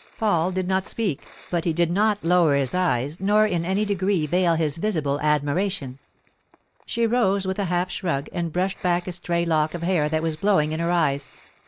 Paul did not speak, but he did not lower his eyes nor in any degree veil his visible admiration. She rose with a half shrug and brushed back a stray lock of hair that was blowing in her eyes.